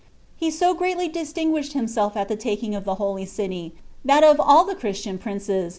He so greatly distinguisbtd himself at the taking of the holy city, that of ail the Christian prioee*.